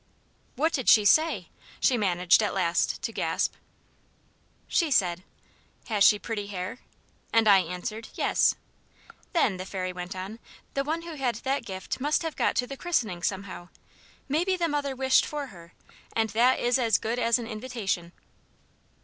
"What did she say?" she managed at last to gasp. "She said: 'Has she pretty hair?' And I answered, 'Yes.' 'Then,' the fairy went on, 'the one who had that gift must have got to the christening, somehow. Maybe the mother wished for her and that is as good as an invitation.'"